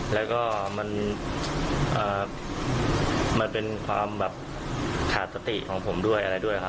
และก็มันเป็นความขาดสติของผมด้วย